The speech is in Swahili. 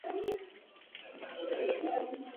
ni mchambuzi wa masuala ya siasa nchini kenya amboga andere